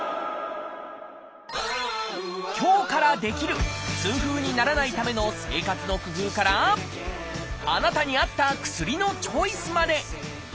今日からできる痛風にならないための生活の工夫からあなたに合った薬のチョイスまで。